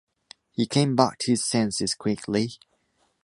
He came back to his senses quickly.